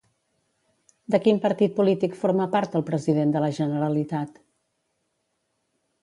De quin partit polític forma part el president de la Generalitat?